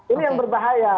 ini yang berbahaya